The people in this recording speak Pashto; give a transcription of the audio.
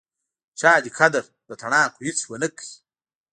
چا دې قدر د تڼاکو هیڅ ونکړ